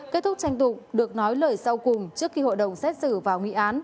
kết thúc tranh tụng được nói lời sau cùng trước khi hội đồng xét xử vào nghị án